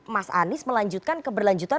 mas anies melanjutkan keberlanjutan